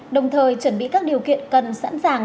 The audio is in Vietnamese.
đồng thời chuẩn bị các điều kiện cần sẵn sàng